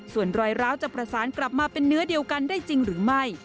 ส่วนรอยร้าวจะประสานกลับมาเป็นเนื้อเดียวกันได้จริงหรือไม่